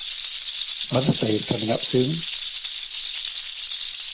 Mother's day is coming up soon!